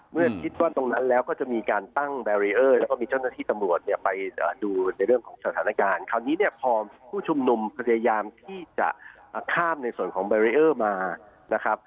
เมื่อคิดว่าตรงนั้นแล้วก็จะมีการตั้งแบรีเออร์แล้วก็มีเจ้าหน้าที่ตำรวจเนี่ยไปดูในเรื่องของสถานการณ์คราวนี้เนี่ยพอผู้ชุมนุมพยายามที่จะข้ามในส่วนของแบรีเออร์มานะครับ